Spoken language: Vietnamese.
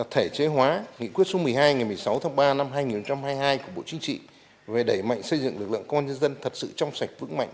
thể chế hóa nghị quyết số một mươi hai ngày một mươi sáu tháng ba năm hai nghìn hai mươi hai của bộ chính trị về đẩy mạnh xây dựng lực lượng công an nhân dân thật sự trong sạch vững mạnh